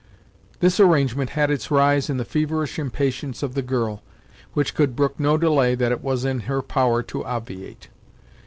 This arrangement had its rise in the feverish impatience of the girl, which could brook no delay that it was in her power to obviate.